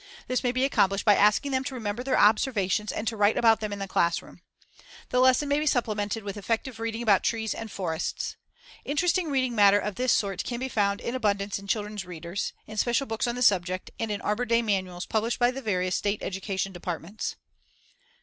This may be accomplished by asking them to remember their observations and to write about them in the classroom. The lesson may be supplemented with effective reading about trees and forests. Interesting reading matter of this sort can be found in abundance in children's readers, in special books on the subject and in Arbor Day Manuals published by the various State Education Departments.